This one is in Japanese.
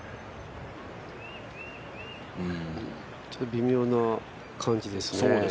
微妙な感じですね。